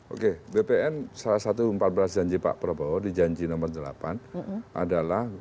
oke bpn salah satu empat belas janji pak prabowo di janji nomor delapan adalah